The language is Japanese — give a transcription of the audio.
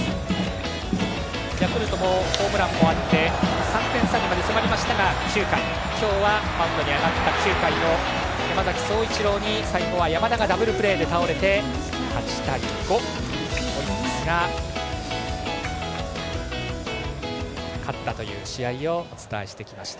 ヤクルトもホームランもあって３点差まで迫りましたが９回今日はマウンドに上がった９回の山崎颯一郎に最後は山田がダブルプレーに倒れ８対５、オリックスが勝ったという試合をお伝えしてきました。